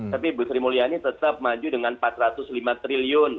tapi bu sri mulyani tetap maju dengan rp empat ratus lima triliun